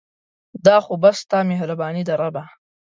دا خو بس ستا مهرباني ده ربه